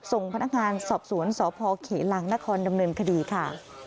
ส่งพนักงานสอบสวนสพเขลังนครดำเนินคดีค่ะ